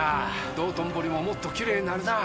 道頓堀ももっときれいになるなぁ。